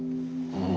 うん。